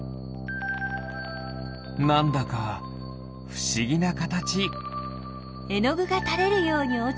なんだかふしぎなかたち。